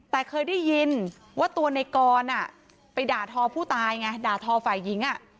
แต่เคยได้ยินว่าตัวในกรไปด่าทอผู้ตายไงด่าทอฝ่ายหญิง